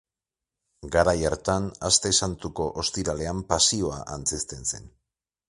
Garai hartan aste santuko ostiralean pasioa antzezten zen.